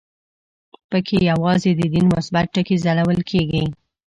په کې یوازې د دین مثبت ټکي ځلول کېږي.